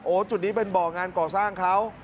จุดนี้เป็นบ่องานก่อสร้างเขา